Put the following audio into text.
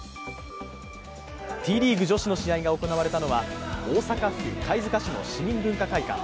Ｔリーグ女子の試合が行われたのは大阪府貝塚市の市民文化会館。